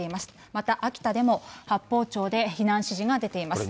また秋田でも八峰町で避難指示が出ています。